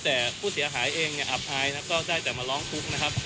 แต่ผู้เสียหายเองเนี่ยอับอายนะครับก็ได้แต่มาร้องทุกข์นะครับ